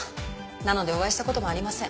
なのでお会いした事もありません。